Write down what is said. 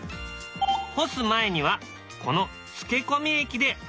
干す前にはこの漬け込み液で味をつける。